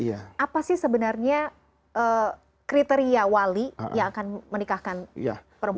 apa sih sebenarnya kriteria wali yang akan menikahkan perempuan